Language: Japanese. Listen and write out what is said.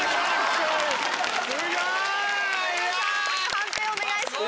判定お願いします。